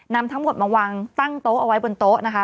นำทั้งหมดมาวางตั้งโต๊ะเอาไว้บนโต๊ะนะคะ